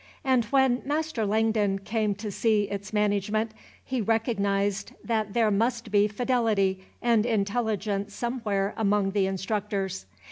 And when Master Langdon came to see its management, he recognized that there must be fidelity and intelligence somewhere among the instructors.